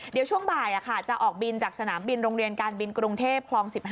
เดี๋ยวช่วงบ่ายจะออกบินจากสนามบินโรงเรียนการบินกรุงเทพคลอง๑๕